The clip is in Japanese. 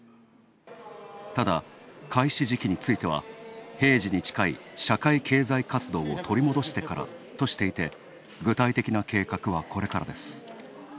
ただ、開始時期については平時に近い社会経済活動を取り戻してからとしていて具体的な計画はこれからです。